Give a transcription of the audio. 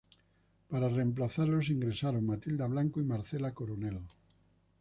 Para reemplazarlos ingresaron Matilda Blanco y Marcela Coronel.